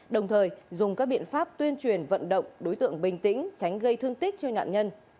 đồng thời dùng các biện pháp tuyên truyền vận động đối tượng bình tĩnh tránh gây thương tích cho nạn nhân